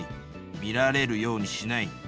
見られるようにしない。